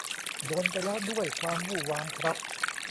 โดนไปแล้วด้วยความวู่วามครับ